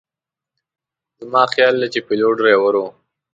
زما خیال دی چې پیلوټ ډریور و.